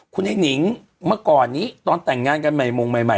คุณแอ่นิํงมาก่อนนี้ตอนแต่งงานกันใหม่มองใหม่ใหม่